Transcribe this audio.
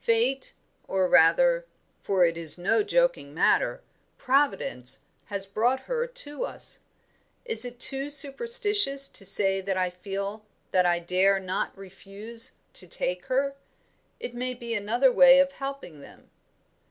Fate, or rather for it is no joking matter Providence, has brought her to us. Is it too superstitious to say that I feel that I dare not refuse to take her. It may be another way of helping them."